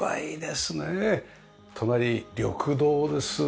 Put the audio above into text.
隣緑道です。